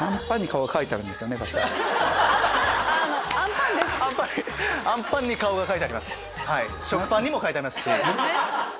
食パンにも描いてありますし。